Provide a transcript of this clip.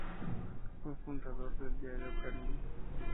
Fue fundador del diario "Clarín".